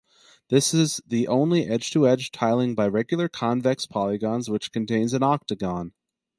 This is the only edge-to-edge tiling by regular convex polygons which contains an octagon.